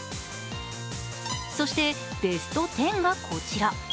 そして、ベスト１０がこちら。